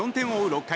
６回。